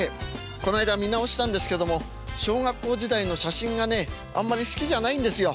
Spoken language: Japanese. この間見直したんですけども小学校時代の写真がねあんまり好きじゃないんですよ。